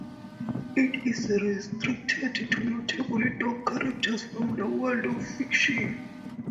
It is restricted to notable dog characters from the world of fiction.